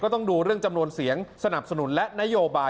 ต้องดูเรื่องจำนวนเสียงสนับสนุนและนโยบาย